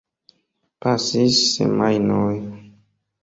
Pasis semajnoj.